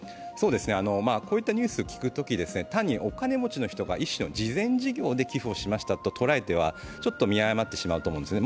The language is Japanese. こういったニュースを聞くときに、単にお金持ちの人が一種の慈善事業で寄付をしましたと捉えては、ちょっと見誤ってしまうと思うんですね。